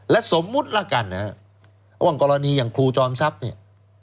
และสมมุติละกันนะครับว่ากรณีอย่างครูจอมทรัพย์เนี่ย